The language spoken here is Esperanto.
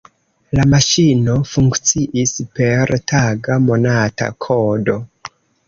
La maŝino funkciis per taga, monata kodo.